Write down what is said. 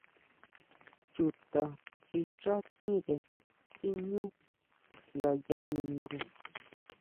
¿Chuta xi xá tjire siʼñu ngaya ningu.